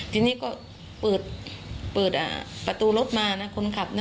ทีนี้ก็เปิดประตูรถมานะคนขับ